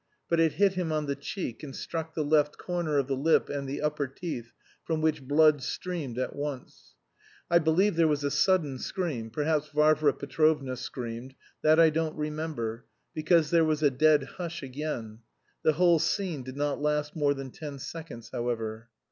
But it hit him on the cheek, and struck the left corner of the lip and the upper teeth, from which blood streamed at once. I believe there was a sudden scream, perhaps Varvara Petrovna screamed that I don't remember, because there was a dead hush again; the whole scene did not last more than ten seconds, however.